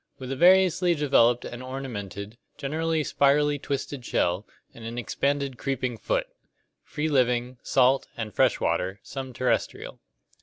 With a variously developed and ornamented, gen CLASSIFICATION OF ORGANISMS 37 erally spirally twisted shell, and an expanded creeping foot. Free living, salt and fresh water, some terrestrial.